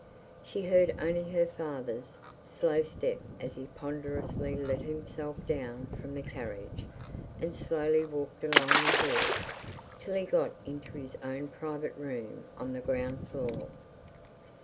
She heard only her father's slow step, as he ponderously let himself down from the carriage, and slowly walked along the hall, till he got into his own private room on the ground floor.